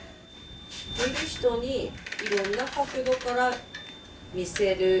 見る人にいろんな角度から見せる。